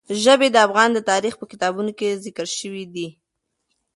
ژبې د افغان تاریخ په کتابونو کې ذکر شوی دي.